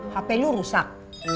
hp lu rusak